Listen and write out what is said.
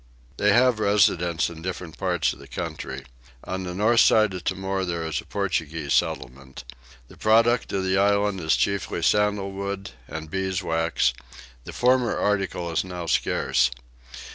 They have residents in different parts of the country. On the north side of Timor there is a Portuguese settlement. The produce of the island is chiefly sandalwood and beeswax: the former article is now scarce.